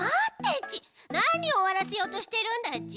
なにおわらせようとしてるんだち！